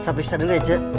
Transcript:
saya beristirahat dulu ya cik